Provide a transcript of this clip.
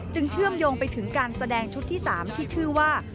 เชื่อมโยงไปถึงการแสดงชุดที่๓ที่ชื่อว่า